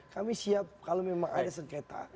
kami siap kalau memang ada sengketa